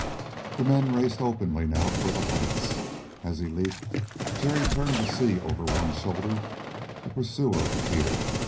The men raced openly now for the heights. As he leaped, Jerry turned to see over one shoulder a pursuer appear.